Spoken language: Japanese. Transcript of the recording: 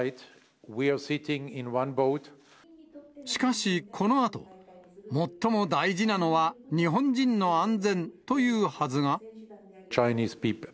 しかしこのあと、最も大事なのは日本人の安全というはずが。